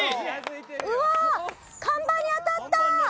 うわあっ看板に当たった！